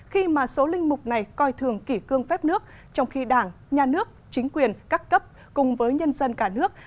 khi mà số linh mục này coi thường kỷ cương phép nước trong khi đảng nhà nước chính quyền các cấp cùng với nhân dân cả nước